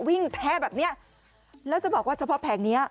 วิ่งแท้แบบนี้แล้วจะบอกว่าเฉพาะแผงนี้